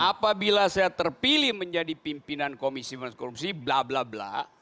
apabila saya terpilih menjadi pimpinan komisi korupsi bla bla bla